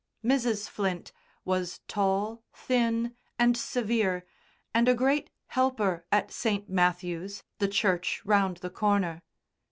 Mrs. Flint was tall, thin and severe, and a great helper at St. Matthew's, the church round the corner.